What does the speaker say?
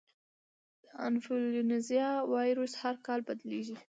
د انفلوېنزا وایرس هر کال بدلېږي.